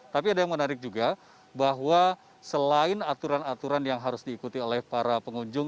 tapi ada yang menarik juga bahwa selain aturan aturan yang harus diikuti oleh para pengunjung